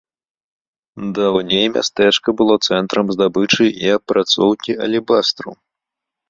Даўней мястэчка было цэнтрам здабычы і апрацоўкі алебастру.